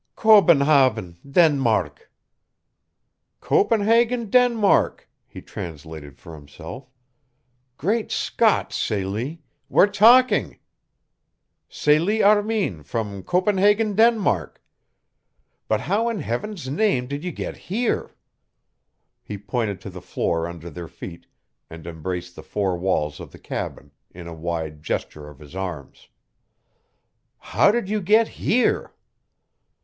"Kobenhavn Danmark!" "Copenhagen, Denmark," he translated for himself. "Great Scott, Celie we're TALKING! Celie Armin, from Copenhagen, Denmark! But how in Heaven's name did you get HERE?" He pointed to the floor under their feet and embraced the four walls of the cabin in a wide gesture of his arms. "How did you get HERE?"